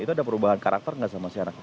itu ada perubahan karakter nggak sama si anak